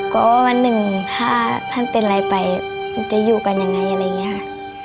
ก็วันหนึ่งถ้าท่านเป็นอะไรไปมันจะอยู่กันยังไงอะไรอย่างนี้ค่ะ